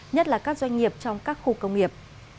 nhất là các doanh nghiệp trong các khu công nghiệp